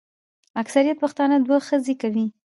اکثریت پښتانه دوې ښځي کوي.